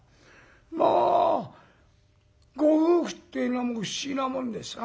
まあご夫婦っていうのは不思議なもんですな。